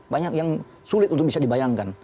banyak yang sulit untuk bisa dibayangkan